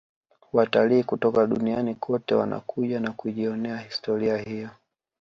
watalii kutoka duniani kote wanakuja na kujionea historia hiyo